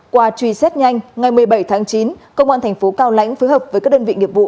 qua truy xét nhanh ngày một mươi bảy tháng chín công an thành phố cao lãnh phối hợp với các đơn vị nghiệp vụ